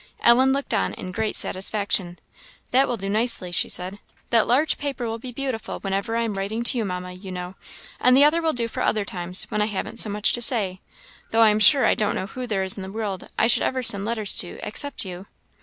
Ellen looked on in great satisfaction. "That will do nicely," she said; "that large paper will be beautiful whenever I am writing to you, Mamma, you know; and the other will do for other times, when I haven't so much to say; though I am sure I don't know who there is in the world I should ever send letters to, except you."